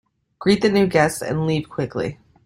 Greet the new guests and leave quickly.